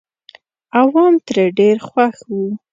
عوام ترې ډېر خوښ وو.